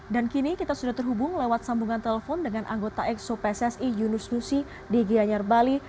dan kini kita sudah terhubung lewat sambungan telepon dengan anggota exo pssi yunus nusi di gianyar bali